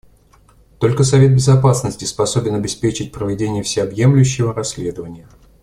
Только Совет Безопасности способен обеспечить проведение всеобъемлющего расследования.